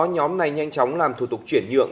nhóm này nhanh chóng làm thủ tục chuyển nhượng